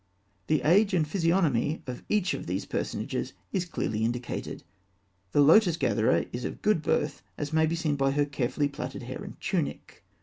The age and physiognomy of each of these personages is clearly indicated. The lotus gatherer is of good birth, as may be seen by her carefully plaited hair and tunic.